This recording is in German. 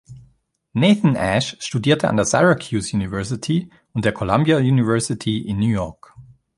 Nathan Ash studierte an der Syracuse University und der Columbia University in New York.